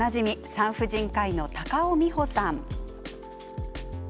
産婦人科医の高尾美穂さん。